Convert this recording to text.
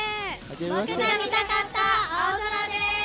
僕が見たかった青空です。